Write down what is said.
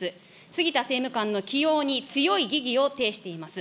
杉田政務官の起用に強い疑義を呈しています。